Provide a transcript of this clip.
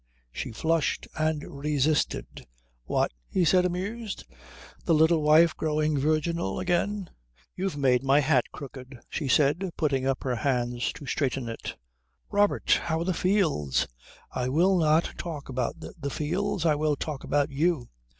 She flushed and resisted. "What?" he said, amused. "The little wife growing virginal again?" "You've made my hat crooked," she said, putting up her hands to straighten it. "Robert, how are the fields?" "I will not talk about the fields. I will talk about you."